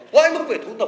quay lúc về thủ tập